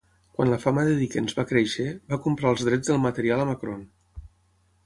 Quan la fama de Dickens va créixer, va comprar els drets del material a Macrone.